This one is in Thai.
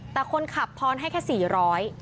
แต่คนขับทอนให้แค่๔๐๐บาท